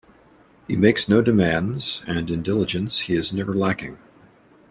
He makes no demands, and in diligence he is never lacking.